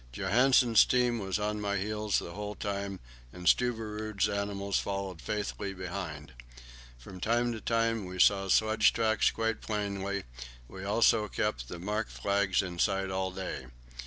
Johansen's team was on my heels the whole time, and Stubberud's animals followed faithfully behind. From time to time we saw sledge tracks quite plainly; we also kept the mark flags in sight all day.